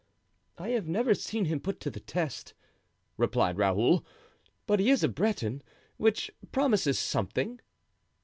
"I have never seen him put to the test," replied Raoul, "but he is a Breton, which promises something."